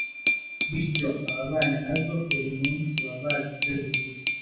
bityo ababana nazo buri munsi baba bazi ibyo zivuze